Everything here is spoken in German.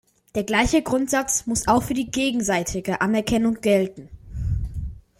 Der gleiche Grundsatz muss auch für die gegenseitige Anerkennung gelten.